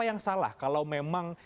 yang salah kalau memang